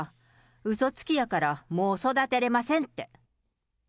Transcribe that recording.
うそつきやからもう育てれませんって。